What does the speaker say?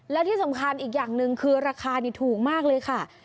และที่สำคัญอีกอย่างหนึ่งคือราคานี่ถูกมากเลยค่ะ